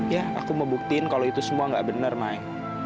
ya aku mau buktiin kalau itu semua gak bener may